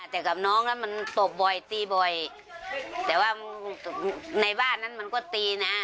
แต่กับน้องแล้วมันตบบ่อยตีบ่อยแต่ว่าในบ้านนั้นมันก็ตีนะ